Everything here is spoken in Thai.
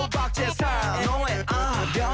พักตุจาบออลนี่ยาว